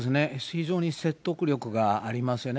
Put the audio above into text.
非常に説得力がありますよね。